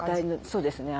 そうですね。